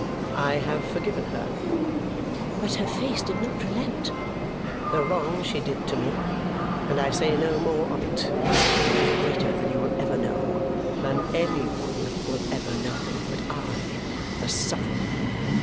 I have forgiven her" but her face did not relent "the wrong she did to me, and I say no more of it, though it was greater than you will ever know than any one will ever know but I, the sufferer.